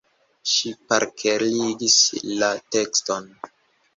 Ŝi parkerigis la tekston.